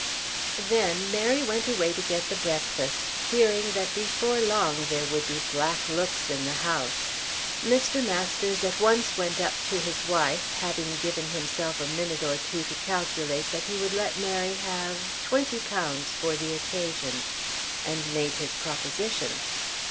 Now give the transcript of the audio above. Then Mary went away to get the breakfast, fearing that before long there would be black looks in the house. Mr. Masters at once went up to his wife, having given himself a minute or two to calculate that he would let Mary have twenty pounds for the occasion, and made his proposition.